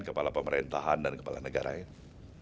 kepala pemerintahan dan kepala negara ini